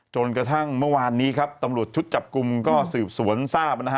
จนกระทั่งเมื่อวานนี้ครับตำรวจชุดจับกลุ่มก็สืบสวนทราบนะฮะ